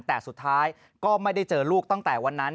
แต่สุดท้ายก็ไม่ได้เจอลูกตั้งแต่วันนั้น